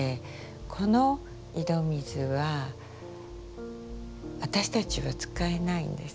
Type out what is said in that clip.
この井戸水は私たちは使えないんです。